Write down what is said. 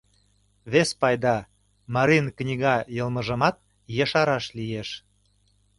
Вес пайда: марийын книга йылмыжымат ешараш лиеш.